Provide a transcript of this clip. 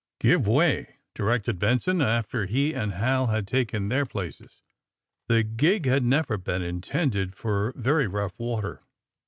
^^Give way!'' directed Benson, after he and Hal had taken their places. The gig had never been intended for very rough water.